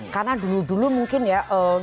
karena dulu dulu mungkin ya